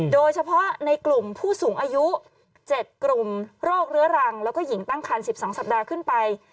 โดยเฉพาะในกลุ่มผู้สูงอายุ๗กลุ่มโรคเรื้อรังแล้วก็หญิงตั้งคัน๑๒สัปดาห์ขึ้นไป